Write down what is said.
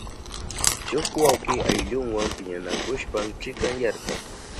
Shuk wawki ayllunwa piñanakushpan chikanyarka.